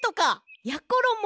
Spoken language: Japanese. やころも